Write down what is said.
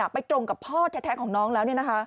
ไปตรงกับพ่อแท้ของน้องแล้ว